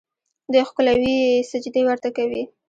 دوی ښکلوي یې، سجدې ورته کوي.